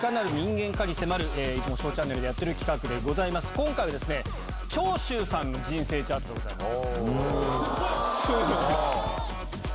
今回は長州さんの人生チャートです。